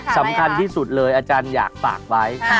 สำคัญที่สุดเลยอาจารย์อยากฝากไว้